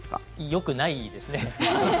よくないですね。